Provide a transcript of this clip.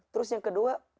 terus yang kedua